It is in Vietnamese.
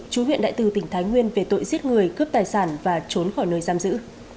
chú huyện đại từ tỉnh thái nguyên về tội giết người cướp tài sản và trốn khỏi nơi giam giữ